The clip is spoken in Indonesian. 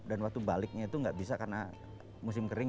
dan waktu baliknya itu gak bisa karena musim kering